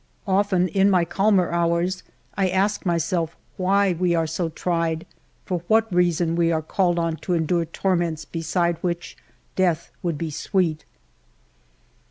... 200 FIVE YEARS OF MY LIFE " Often, in my calmer hours, I ask myself why we are so tried, for what reason we are called on to endure torments beside which death would be sweet."